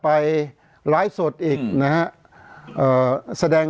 เพราะฉะนั้นประชาธิปไตยเนี่ยคือการยอมรับความเห็นที่แตกต่าง